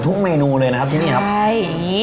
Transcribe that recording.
ใช่อย่างนี้